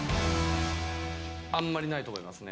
あんまりないと思いますね。